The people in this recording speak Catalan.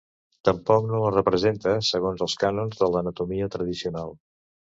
Tampoc no les representa segons els cànons de l'anatomia tradicional.